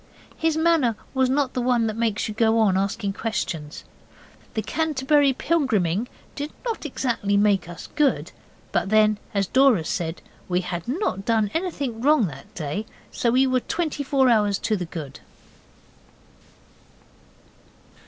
His manner was not the one that makes you go on asking questions. The Canterbury Pilgriming did not exactly make us good, but then, as Dora said, we had not done anything wrong that day. So we were twenty four hours to the good.